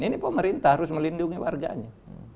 ini pemerintah harus melindungi warganya